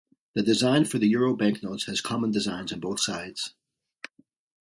The design for the euro banknotes has common designs on both sides.